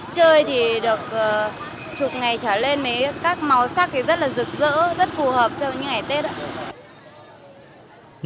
chơi thì được chụp ngày trở lên mấy các màu sắc thì rất là rực rỡ rất phù hợp cho những ngày tết ạ